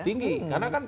tinggi karena kan